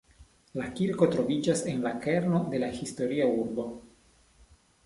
La kirko troviĝas en la kerno de la historia urbo.